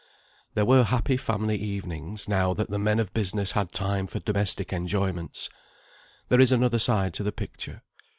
There were happy family evenings, now that the men of business had time for domestic enjoyments. There is another side to the picture.